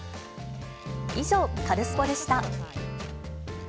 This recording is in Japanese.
以上、カルスポっ！でした。